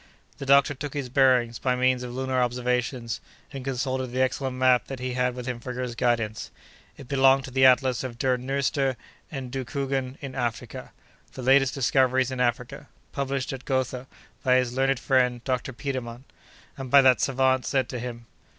The doctor took his bearings, by means of lunar observations, and consulted the excellent map that he had with him for his guidance. It belonged to the Atlas of "Der Neuester Endeckungen in Afrika" ("The Latest Discoveries in Africa"), published at Gotha by his learned friend Dr. Petermann, and by that savant sent to him.